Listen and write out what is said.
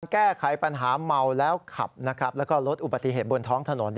แก้ไขปัญหาเมาแล้วขับแล้วก็ลดอุบัติเหตุบนท้องถนน